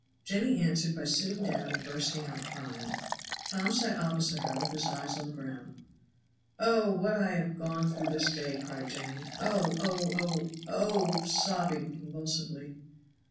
Jenny answered by sitting down and bursting out crying. Tom sat opposite her with his eyes on the ground. "Oh, what I have gone through this day!" cried Jenny. "Oh! oh! oh! oh!" sobbing convulsively.